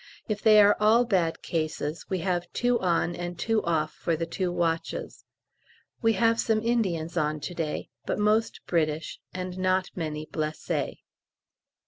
If they are all bad cases, we have two on and two off for the two watches. We have some Indians on to day, but most British, and not many blessés.